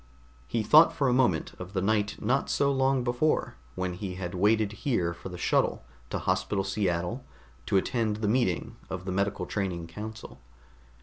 He thought for a moment of the night not so long before when he had waited here for the shuttle to Hospital Seattle, to attend the meeting of the medical training council.